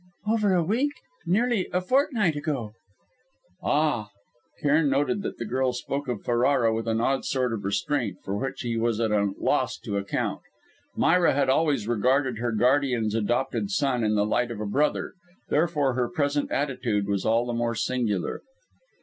"Over a week nearly a fortnight, ago " "Ah!" Cairn noted that the girl spoke of Ferrara with an odd sort of restraint for which he was at a loss to account. Myra had always regarded her guardian's adopted son in the light of a brother; therefore her present attitude was all the more singular.